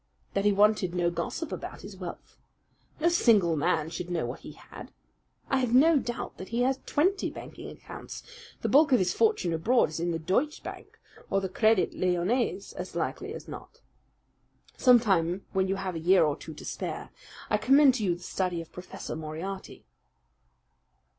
"That he wanted no gossip about his wealth. No single man should know what he had. I have no doubt that he has twenty banking accounts; the bulk of his fortune abroad in the Deutsche Bank or the Credit Lyonnais as likely as not. Sometime when you have a year or two to spare I commend to you the study of Professor Moriarty."